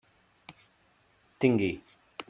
Tingui.